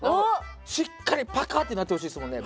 しっかりパカってなってほしいですもんね